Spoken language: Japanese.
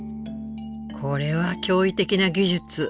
これは驚異的な技術。